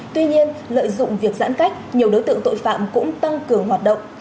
tuy nhiên lợi dụng việc giãn cách nhiều đối tượng tội phạm cũng tăng cường hoạt động